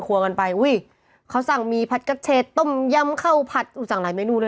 กันไปอุ้ยเขาสั่งมีผัดกระเชษต้มยำข้าวผัดสั่งหลายเมนูเลย